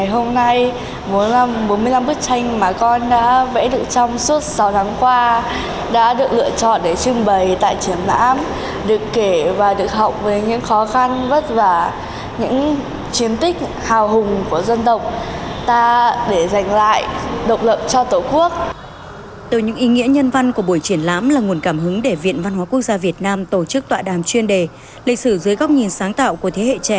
hiện tại con rất vui và hạnh phúc vì ngày hôm nay bốn mươi năm bức tranh mà con đã vẽ được trong suốt sáu tháng qua